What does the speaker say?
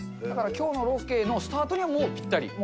だからきょうのロケのスタートにはもうぴったり。